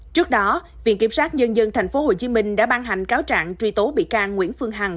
trước đó viện kiểm sát nhân dân tp hcm đã ban hành cáo trạng truy tố bị can nguyễn phương hằng